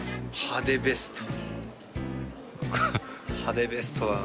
派手ベスト。